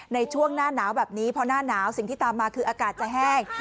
ในช่วงหน้าหนาวแบบนี้พอหน้าหนาวสิ่งที่ตามมาคืออากาศจะแห้ง